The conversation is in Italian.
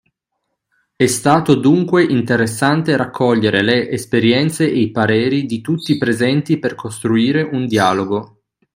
E’ stato dunque interessante raccogliere le esperienze e i pareri di tutti i presenti per costruire un dialogo